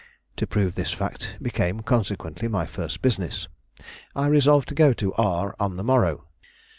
To prove this fact, became, consequently, my first business. I resolved to go to R on the morrow.